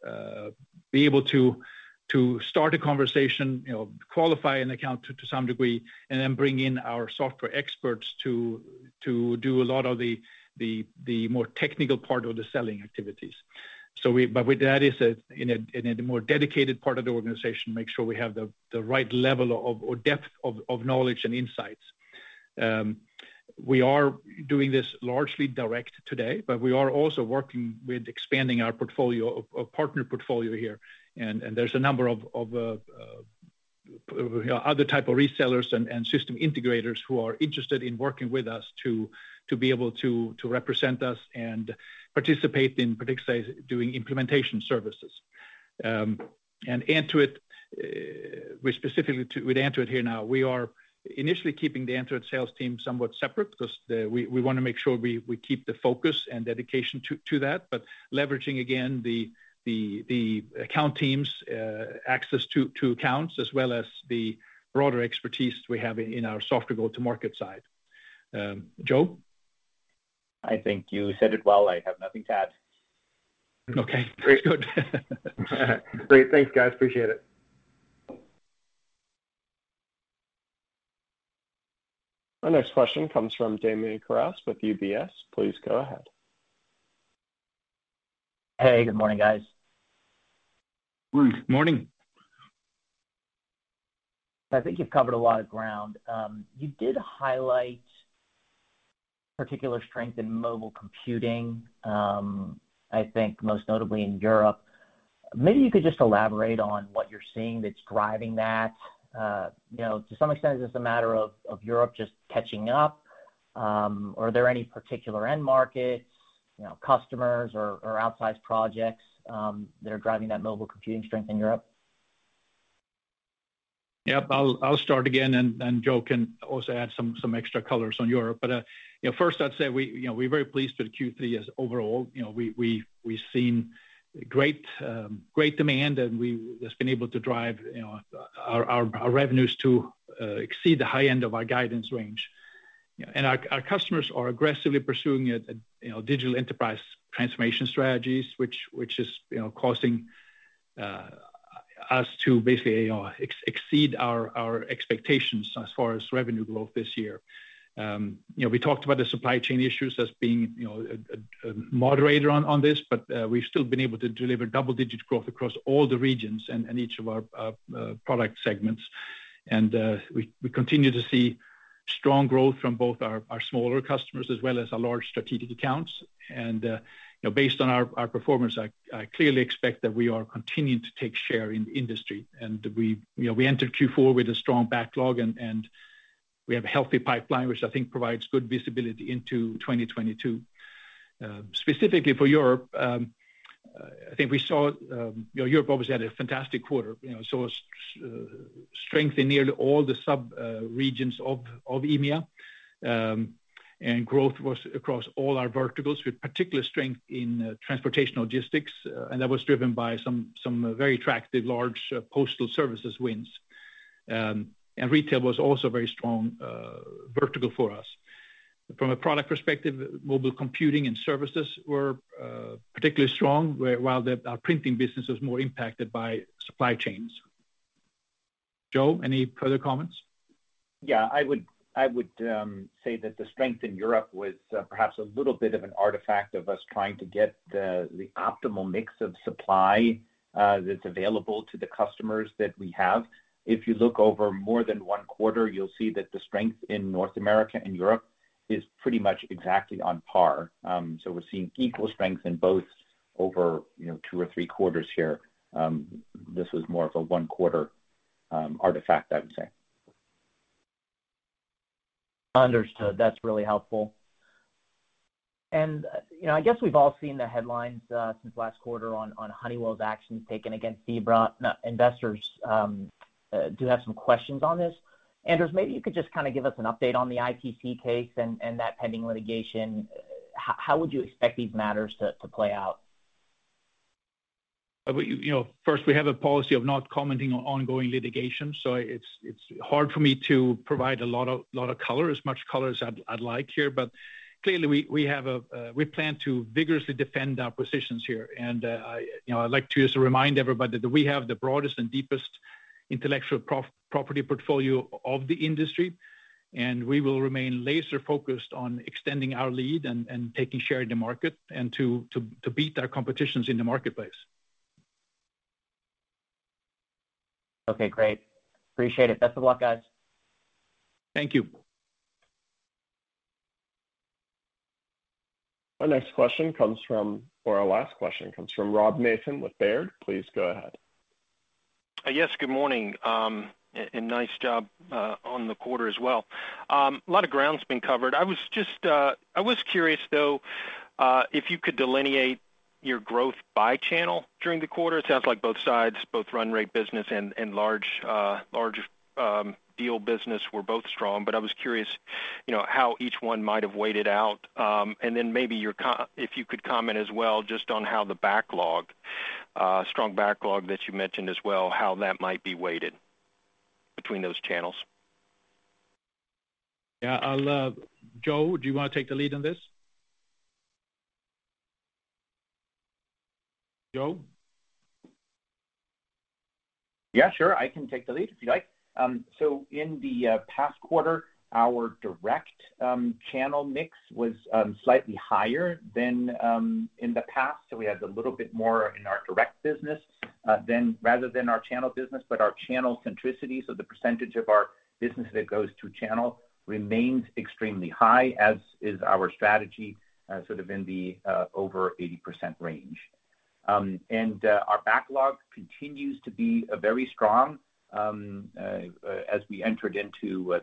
S3: be able to start a conversation, you know, qualify an account to some degree, and then bring in our software experts to do a lot of the more technical part of the selling activities. With that is a more dedicated part of the organization to make sure we have the right level or depth of knowledge and insights. We are doing this largely direct today, but we are also working with expanding our portfolio, a partner portfolio here. There's a number of other type of resellers and system integrators who are interested in working with us to be able to represent us and participate in, particularly doing implementation services. Specifically with Antuit.ai here now, we are initially keeping the Antuit.ai sales team somewhat separate because we wanna make sure we keep the focus and dedication to that. But leveraging again the account teams access to accounts, as well as the broader expertise we have in our software go-to-market side. Joe?
S6: I think you said it well. I have nothing to add.
S3: Okay.
S12: Great.
S3: Good.
S12: Great. Thanks, guys. Appreciate it.
S1: Our next question comes from Damian Karas with UBS. Please go ahead.
S13: Hey, good morning, guys.
S3: Good morning.
S13: I think you've covered a lot of ground. You did highlight particular strength in mobile computing, I think most notably in Europe. Maybe you could just elaborate on what you're seeing that's driving that. You know, to some extent, is this a matter of Europe just catching up? Are there any particular end markets, you know, customers or outsized projects, that are driving that mobile computing strength in Europe?
S3: Yep. I'll start again, and Joe can also add some extra colors on Europe. You know, first I'd say we're very pleased with Q3 overall. You know, we've seen great demand, and that's been able to drive our revenues to exceed the high end of our guidance range. Our customers are aggressively pursuing a digital enterprise transformation strategies, which is causing us to basically exceed our expectations as far as revenue growth this year. You know, we talked about the supply chain issues as being a moderator on this. We've still been able to deliver double-digit growth across all the regions and each of our product segments. We continue to see strong growth from both our smaller customers as well as our large strategic accounts. You know, based on our performance, I clearly expect that we are continuing to take share in the industry. You know, we entered Q4 with a strong backlog and we have a healthy pipeline, which I think provides good visibility into 2022. Specifically for Europe, I think we saw, you know, Europe obviously had a fantastic quarter. You know, saw strength in nearly all the subregions of EMEA. Growth was across all our verticals, with particular strength in transportation logistics, and that was driven by some very attractive large postal services wins. Retail was also a very strong vertical for us. From a product perspective, mobile computing and services were particularly strong, whereas our printing business was more impacted by supply chains. Joe, any further comments?
S6: Yeah. I would say that the strength in Europe was perhaps a little bit of an artifact of us trying to get the optimal mix of supply that's available to the customers that we have. If you look over more than one quarter, you'll see that the strength in North America and Europe is pretty much exactly on par. We're seeing equal strength in both over, you know, two or three quarters here. This was more of a one quarter artifact, I would say.
S13: Understood. That's really helpful. You know, I guess we've all seen the headlines since last quarter on Honeywell's actions taken against Zebra. Now, investors do have some questions on this. Anders, maybe you could just kind of give us an update on the ITC case and that pending litigation. How would you expect these matters to play out?
S3: You know, first, we have a policy of not commenting on ongoing litigation, so it's hard for me to provide a lot of color, as much color as I'd like here. Clearly we plan to vigorously defend our positions here. I, you know, I'd like to just remind everybody that we have the broadest and deepest intellectual property portfolio of the industry, and we will remain laser focused on extending our lead and taking share in the market and to beat our competitors in the marketplace.
S13: Okay, great. Appreciate it. Best of luck, guys.
S3: Thank you.
S1: Our last question comes from Robert Mason with Baird. Please go ahead.
S14: Yes, good morning, and nice job on the quarter as well. A lot of ground's been covered. I was curious, though, if you could delineate your growth by channel during the quarter. It sounds like both sides, run rate business and large deal business were both strong. I was curious, you know, how each one might have weighed out. Then maybe if you could comment as well just on how the backlog, strong backlog that you mentioned as well, how that might be weighed between those channels.
S3: Yeah, I'll, Joe, do you want to take the lead on this? Joe?
S6: Yeah, sure. I can take the lead if you'd like. In the past quarter, our direct channel mix was slightly higher than in the past. We had a little bit more in our direct business rather than our channel business. Our channel centricity, so the percentage of our business that goes through channel, remains extremely high, as is our strategy, sort of in the over 80% range. Our backlog continues to be very strong. As we entered into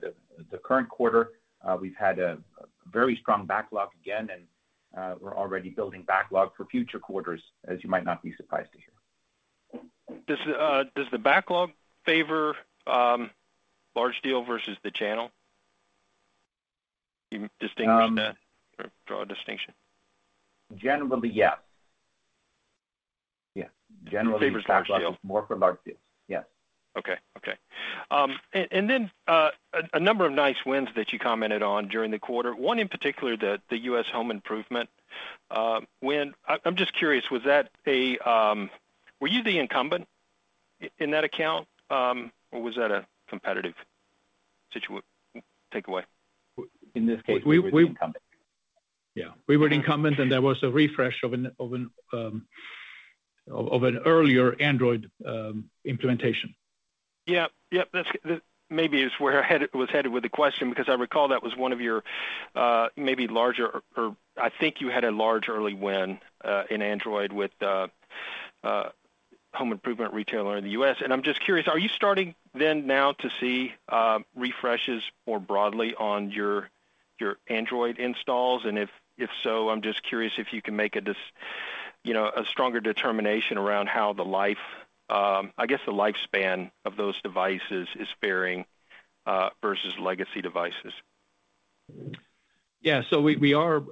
S6: the current quarter, we've had a very strong backlog again, and we're already building backlog for future quarters, as you might not be surprised to hear.
S14: Does the backlog favor large deal versus the channel? Can you distinguish that or draw a distinction?
S6: Generally, yeah.
S14: It favors large deals.
S6: More for large deals. Yeah.
S14: A number of nice wins that you commented on during the quarter, one in particular the U.S. home improvement win. I'm just curious. Were you the incumbent in that account, or was that a competitive situation takeaway?
S6: In this case we were the incumbent.
S3: Yeah. We were the incumbent, and there was a refresh of an earlier Android implementation.
S14: Yeah. Yep. That's maybe where I was headed with the question because I recall that was one of your maybe larger. I think you had a large early win in Android with a home improvement retailer in the U.S. I'm just curious, are you starting then now to see refreshes more broadly on your Android installs? And if so, I'm just curious if you can make a you know a stronger determination around how the life I guess the lifespan of those devices is faring versus legacy devices.
S3: We are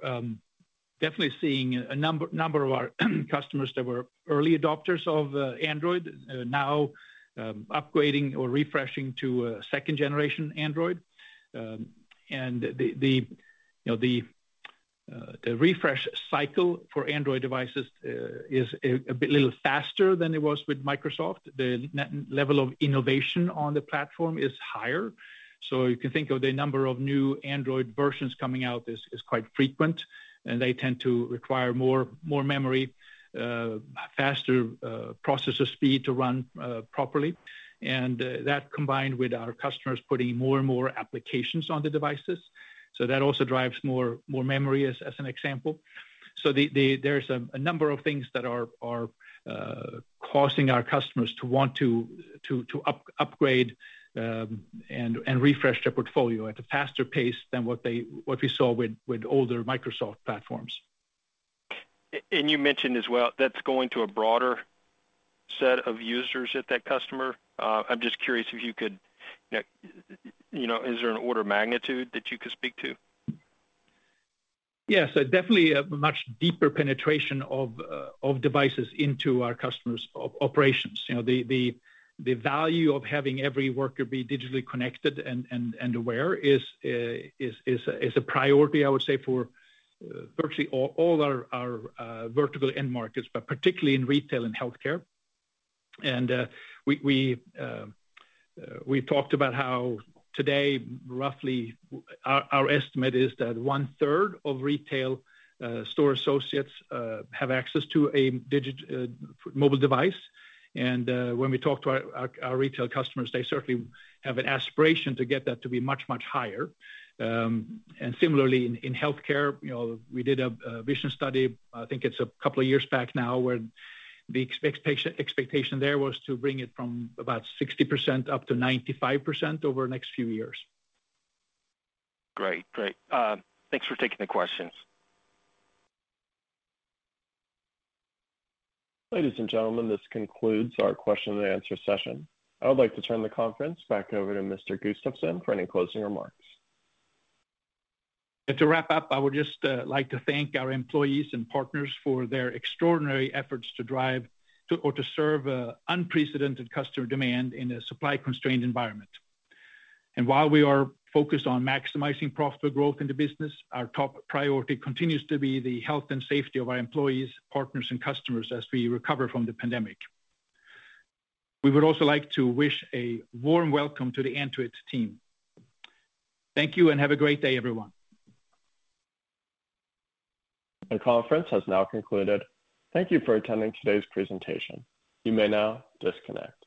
S3: definitely seeing a number of our customers that were early adopters of Android now upgrading or refreshing to a second generation Android. The refresh cycle for Android devices is a little bit faster than it was with Microsoft. The next level of innovation on the platform is higher. If you think of the number of new Android versions coming out is quite frequent, and they tend to require more memory, faster processor speed to run properly. That combined with our customers putting more and more applications on the devices. That also drives more memory as an example. There's a number of things that are causing our customers to want to upgrade and refresh their portfolio at a faster pace than what we saw with older Microsoft platforms.
S14: You mentioned as well that's going to a broader set of users at that customer. I'm just curious if you could, you know, is there an order of magnitude that you could speak to?
S3: Yes. Definitely a much deeper penetration of devices into our customers' operations. You know, the value of having every worker be digitally connected and aware is a priority, I would say, for virtually all our vertical end markets, but particularly in retail and healthcare. We've talked about how today, roughly our estimate is that one-third of retail store associates have access to a digital mobile device. When we talk to our retail customers, they certainly have an aspiration to get that to be much higher. Similarly, in healthcare, you know, we did a vision study, I think it's a couple of years back now, where the expectation there was to bring it from about 60% up to 95% over the next few years.
S14: Great. Thanks for taking the questions.
S1: Ladies and gentlemen, this concludes our question and answer session. I would like to turn the conference back over to Mr. Gustafsson for any closing remarks.
S3: To wrap up, I would just like to thank our employees and partners for their extraordinary efforts to drive or to serve unprecedented customer demand in a supply-constrained environment. While we are focused on maximizing profitable growth in the business, our top priority continues to be the health and safety of our employees, partners, and customers as we recover from the pandemic. We would also like to wish a warm welcome to the Antuit.ai team. Thank you and have a great day, everyone.
S1: The conference has now concluded. Thank you for attending today's presentation. You may now disconnect.